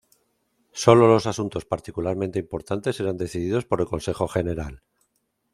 Sólo los asuntos particularmente importantes eran decididos por el consejo general.